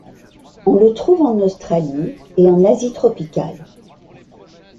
On le trouve en Australie et en Asie tropicale.